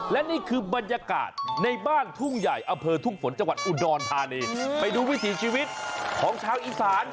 และนี่คือบรรยากาศในบ้านทุ่งใหญ่อำเภอทุ่งฝนจังหวัดอุดรธานีไปดูวิถีชีวิตของชาวอีสาน